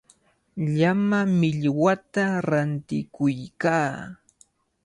Llama millwata rantikuykaa.